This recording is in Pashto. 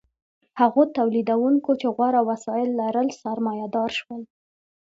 هغو تولیدونکو چې غوره وسایل لرل سرمایه دار شول.